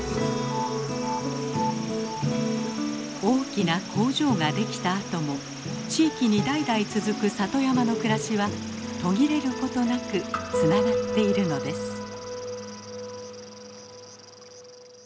大きな工場が出来たあとも地域に代々続く里山の暮らしは途切れることなくつながっているのです。